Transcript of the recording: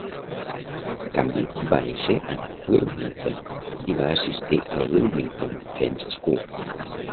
Canby va néixer a Wilmington i va assistir a la Wilmington Friends School.